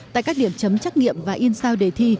tại các điểm chấm trắc nghiệm và in sao đề thi